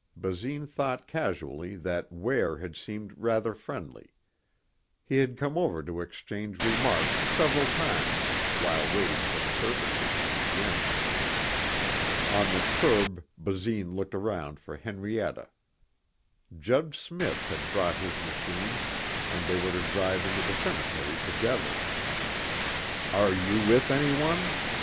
Basine thought casually that Ware had seemed rather friendly. He had come over to exchange remarks several times while waiting for the services to begin. On the curb Basine looked around for Henrietta. Judge Smith had brought his machine and they were to drive to the cemetery together. "Are you with anyone?"